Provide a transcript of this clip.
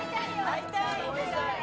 会いたい。